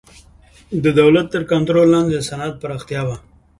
د دولت تر کنټرول لاندې د صنعت پراختیا وه